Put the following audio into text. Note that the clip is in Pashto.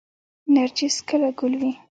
نرجس کله ګل کوي؟